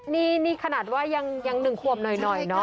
นี่นี่ขนาดว่ายังหนึ่งควบหน่อยเนอะ